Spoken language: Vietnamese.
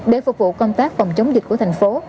để phục vụ công tác phòng chống dịch của thành phố